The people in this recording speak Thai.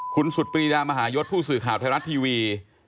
คุณสุดปรีดามหายศผู้สื่อข่าวไทยรัฐทีวี